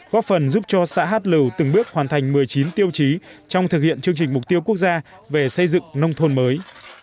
góp phần giúp cho xã hát lưu từng bước hoàn thành một mươi chín tiêu chí trong thực hiện chương trình mục tiêu quốc gia về xây dựng nông thôn mới